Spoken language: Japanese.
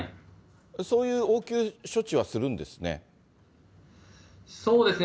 そういう応急処置はするんですね。